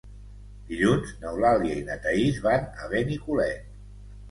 Dilluns n'Eulàlia i na Thaís van a Benicolet.